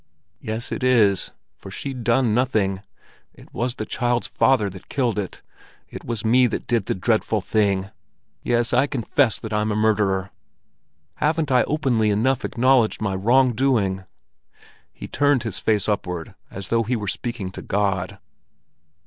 "Yes, it is; for she'd done nothing. It was the child's father that killed it; it was me that did the dreadful thing; yes, I confess that I'm a murderer! Haven't I openly enough acknowledged by wrongdoing?" He turned his face upward, as though he were speaking to God.